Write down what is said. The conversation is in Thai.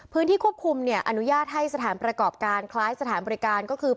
พื้นที่ควบคุมเนี่ยอนุญาตให้สถานประกอบการคล้ายสถานบริการก็คือ